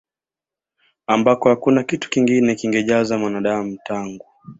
ambako hakuna kitu kingine kingejaza Mwanadamu tangu